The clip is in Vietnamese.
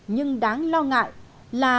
nhưng đáng lo ngại là